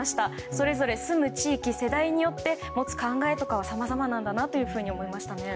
それぞれ住む地域、世代によって持つ考えとかはさまざまなんだと思いましたね。